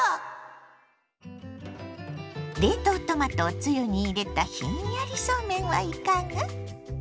冷凍トマトをつゆに入れたひんやりそうめんはいかが？